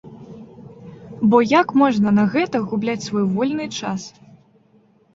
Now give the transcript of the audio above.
Бо як можна на гэта губляць свой вольны час?